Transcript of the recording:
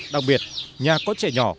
đặc biệt nhà có trẻ nhỏ